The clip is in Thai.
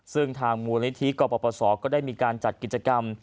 ซึ่งทางมูลนิธิกรปศก็ได้มีการจัดกิจกรรม